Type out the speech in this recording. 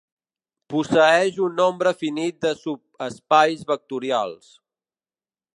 Posseeix un nombre finit de subespais vectorials.